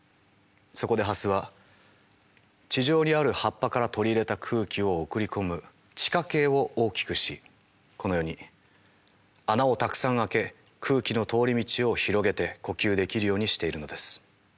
そこでハスは地上にある葉っぱから取り入れた空気を送り込む地下茎を大きくしこのように穴をたくさん開け空気の通り道を広げて呼吸できるようにしているのです。